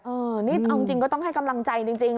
นี่เอาจริงก็ต้องให้กำลังใจจริง